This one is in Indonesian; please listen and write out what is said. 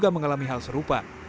mengalami hal serupa